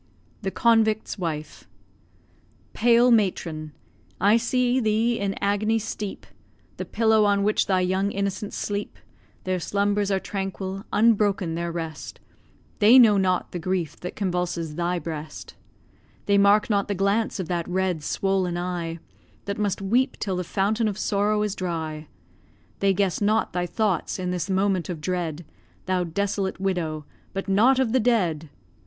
THE CONVICT'S WIFE Pale matron! I see thee in agony steep The pillow on which thy young innocents sleep; Their slumbers are tranquil, unbroken their rest, They know not the grief that convulses thy breast; They mark not the glance of that red, swollen eye, That must weep till the fountain of sorrow is dry; They guess not thy thoughts in this moment of dread, Thou desolate widow, but not of the dead!